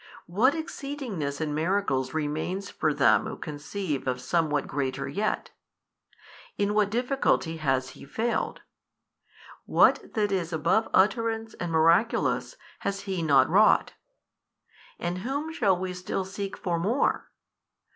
What exceedingness in miracles remains for them who conceive of somewhat greater yet? In what difficulty has He failed? what that is above utterance and miraculous has He not wrought? in whom shall we still seek for more?